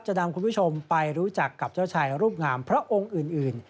นำคุณผู้ชมไปรู้จักกับเจ้าชายรูปงามพระองค์อื่น